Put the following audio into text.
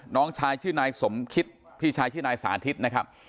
น้องชายชื่อนายสมคิดพี่ชายชื่อนายสาธิตนะครับ